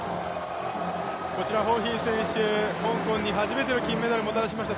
こちらホーヒー選手、香港に初めての金メダルをもたらしました。